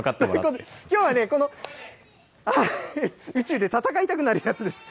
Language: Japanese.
きょうはね、宇宙で戦いたくなるやつです。